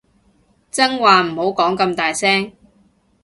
真話唔好講咁大聲